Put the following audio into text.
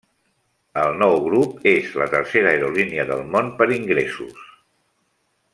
El nou grup és la tercera aerolínia del món per ingressos.